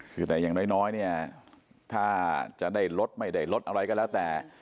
คือแต่อย่างน้อยเนี่ยถ้าจะได้ลดไม่ได้ลดอะไรก็แล้วแต่